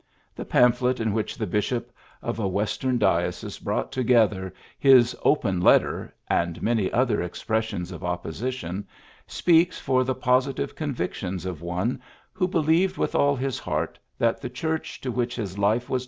The pamphlet in which the bishop of a Western diocese PHILLIPS BKOOKS 99 brought together his ^'Opeii Letter" and many other expressions of opposi tion speaks for the positive convictions of one who believed with all his heart that the Church to which his life was